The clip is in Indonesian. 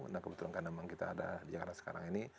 nah kebetulan karena memang kita ada di jakarta sekarang ini